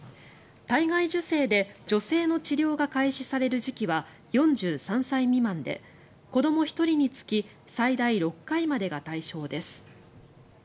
体外受精で女性の治療が開始される時期は４３歳未満で子ども１人につき最大６回までが対象です。